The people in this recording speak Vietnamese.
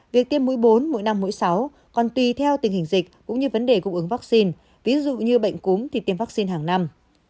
việc tiêm mũi bốn mỗi năm mũi sáu còn tùy theo tình hình dịch cũng như vấn đề cung ứng vaccine ví dụ như bệnh cúm thì tiêm vaccine hàng năm